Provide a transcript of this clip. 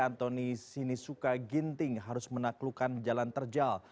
antoni sinisuka ginting harus menaklukkan jalan terjal